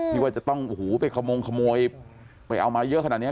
ที่ว่าจะต้องโอ้โหไปขมงขโมยไปเอามาเยอะขนาดนี้